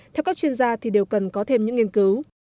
theo các chuyên gia thì đều cần có thêm những nghiên cứu